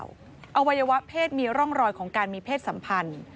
อวัยวะเพศมีร่องรอยของการมีเพศสัมพันธ์